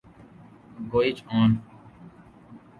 گوئچ ان